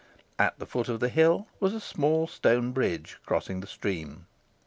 At the foot of the hill was a small stone bridge crossing the stream.